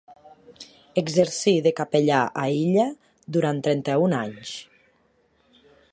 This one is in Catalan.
Exercí de capellà a Illa durant trenta-un anys.